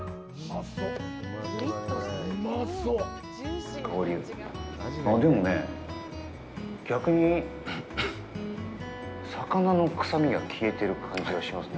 あっ、でもね、逆に魚の臭みが消えてる感じがしますね。